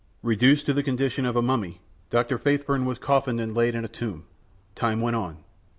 Reduced to the condition of a mummy, Dr. Faithburn was coffined and laid in a tomb. Time went on.